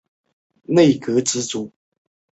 该组织的总部位于尼科西亚。